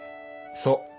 そう。